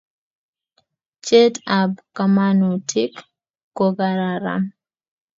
Chet ab kamanutik kokararan